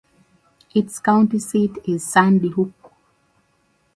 Its county seat is Sandy Hook.